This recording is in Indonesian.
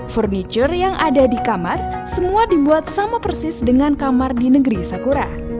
furniture yang ada di kamar semua dibuat sama persis dengan kamar di negeri sakura